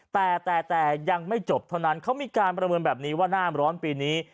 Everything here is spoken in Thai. แต่แต่ยังไม่จบเท่านั้นเขามีการประเมินแบบนี้ว่าหน้าร้อนปีนี้